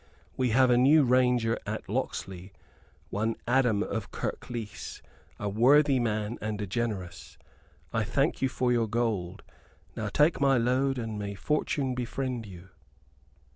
We have a new Ranger at Locksley, one Adam of Kirklees, a worthy man and a generous. I thank you for your gold: now take my load and may fortune befriend you."